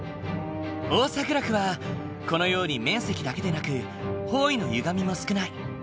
オーサグラフはこのように面積だけでなく方位のゆがみも少ない。